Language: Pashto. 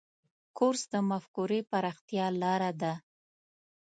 کورس د مفکورې پراختیا لاره ده.